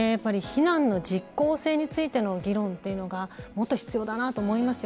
避難の実効性についての議論というのがもっと必要だなと思います。